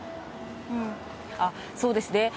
そうですね。